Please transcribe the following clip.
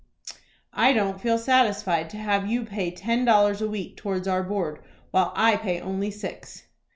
"I don't feel satisfied to have you pay ten dollars a week towards our board, while I pay only six."